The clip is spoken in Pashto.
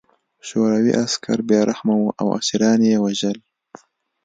شوروي عسکر بې رحمه وو او اسیران یې وژل